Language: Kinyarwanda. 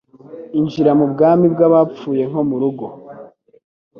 injira mubwami bwabapfuye nko murugo